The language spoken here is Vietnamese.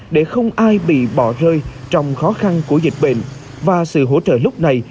để không ai bị bỏ rơi trong khó khăn của dịch bệnh và sự hỗ trợ lúc này